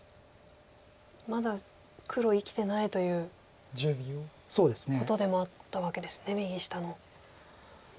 まだ黒生きてないということでもあったわけですね右下の。